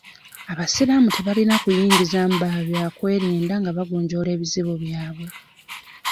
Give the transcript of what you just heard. Abasiraamu tebalina kuyingizaamu babyakwerinda nga bagonjoola ebizibu byabwe.